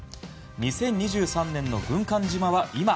２０２３年の軍艦島は今。